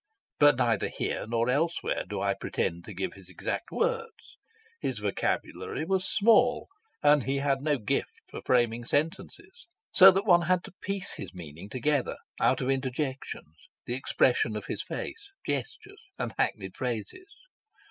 But neither here nor elsewhere do I pretend to give his exact words; his vocabulary was small, and he had no gift for framing sentences, so that one had to piece his meaning together out of interjections, the expression of his face, gestures and hackneyed phrases.